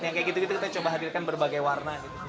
yang kayak gitu gitu kita coba hadirkan berbagai warna gitu